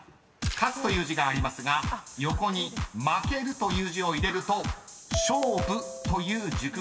「勝つ」という字がありますが横に「負ける」という字を入れると「勝負」という熟語になります］